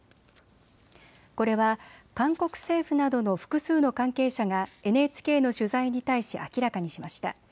これは韓国政府などの複数の関係者がＮＨＫの取材に対し明らかにしました。